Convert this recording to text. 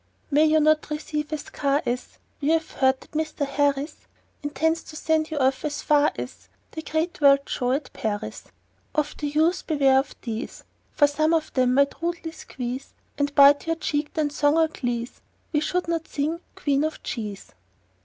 May you not receive a scar as We have heard that Mr. Harris Intends to send you off as far as The great world's show at Paris. Of the youth beware of these, For some of them might rudely squeeze And bite your cheek; then song or glees We could not sing, oh, Queen of Cheese.